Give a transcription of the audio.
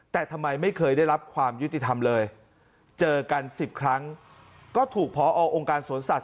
แต่ทำไมไม่เคยได้รับความยุติธรรมเลยเจอกัน๑๐ครั้งก็ถูกพอองค์การสวนสัตว